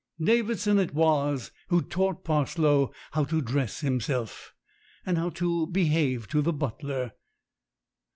Davidson it was who taught Parslow how to dress himself, and how to be have to the butler.